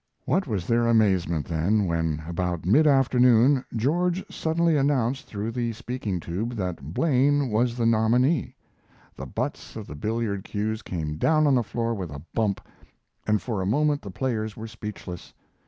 What was their amazement, then, when about mid afternoon George suddenly announced through the speaking tube that Blaine was the nominee. The butts of the billiard cues came down on the floor with a bump, and for a moment the players were speechless.